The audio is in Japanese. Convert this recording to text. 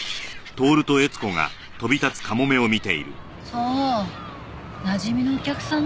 そうなじみのお客さんが。